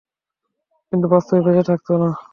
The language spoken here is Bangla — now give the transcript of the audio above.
কিন্তু বাস্তবে বেচেঁ থাকত না।